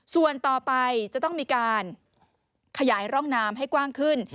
ส่วนต่อไปจะต้องมีการขยายร่องน้ำให้กว้างขึ้น